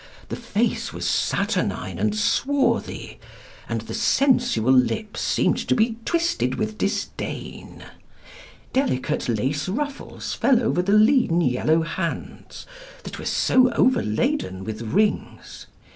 The face was saturnine and swarthy, and the sensual lips seemed to be twisted with disdain. Delicate lace ruffles fell over the lean yellow hands that were so overladen with rings.